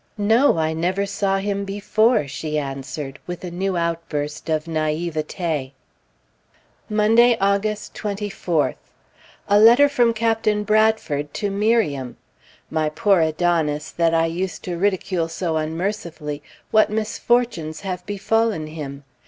"No, I never saw him before!" she answered with a new outburst of naïveté. Monday, August 24th. A letter from Captain Bradford to Miriam. My poor Adonis, that I used to ridicule so unmercifully, what misfortunes have befallen him!